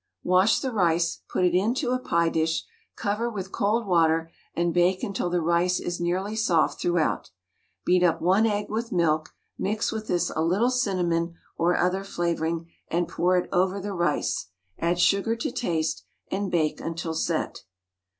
Wash the rice, put it into a pie dish, cover with cold water, and bake until the rice is nearly soft throughout. Beat up 1 egg with milk, mix with this a little cinnamon or other flavouring, and pour it over the rice; add sugar to taste, and bake until set.